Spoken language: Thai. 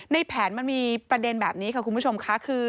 ในแผนมันมีประเด็นแบบนี้ค่ะคุณผู้ชมค่ะคือ